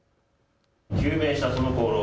救命したその功労